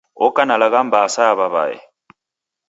Oka na lagha mbaa sa ya w'aw'ae.